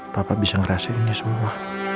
bapak bisa ngerasain ini semua